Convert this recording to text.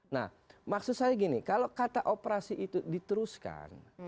nah maksud saya gini kalau kata operasi itu diteruskan